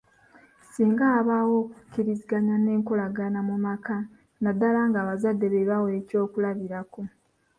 Singa wabaawo okukkiriziganya n'enkolagana mu maka naddala ng'abazadde be bawa ekyokulabirako.